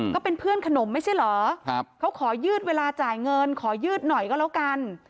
ก็เป็นเพื่อนขนมไม่ใช่เหรอเขาขอยืดเวลาจ่ายเงินขอยืดหน่อยก็แล้วกัน